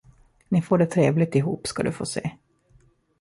Ni får det trevligt ihop, ska du få se!